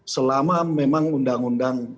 selama memang undang undang